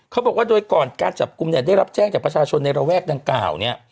เขาบอกว่าโดยก่อนการจับกลุ่มเนี่ยได้รับแจ้งจากประชาชนในระแวกดังกล่าวเนี่ย